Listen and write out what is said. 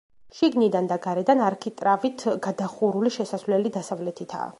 შიგნიდან და გარედან არქიტრავით გადახურული შესასვლელი დასავლეთითაა.